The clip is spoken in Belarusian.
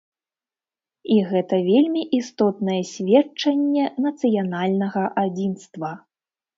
І гэта вельмі істотнае сведчанне нацыянальнага адзінства.